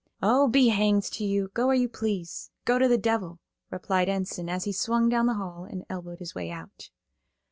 "O, be hanged to you. Go where you please. Go to the devil," replied Enson, as he swung down the hall and elbowed his way out.